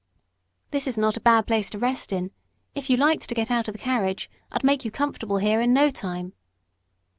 "This is not a bad place to rest in; if you liked to get out of the carriage I'd make you comfortable here in no time."